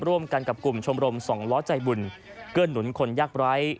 ร่วมกันกับกลุ่มชมรมสองล้อใจบุญเกื้อนหนุนคนยากไร้